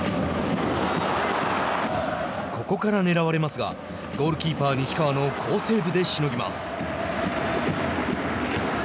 ここからねらわれますがゴールキーパー西川の好セーブでしのぎます。